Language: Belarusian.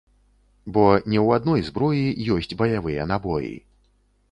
Бо не ў адной зброі ёсць баявыя набоі.